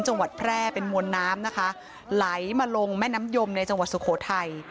จังหวัดแพร่เป็นมวลน้ำนะคะไหลมาลงแม่น้ำยมในจังหวัดสุโขทัย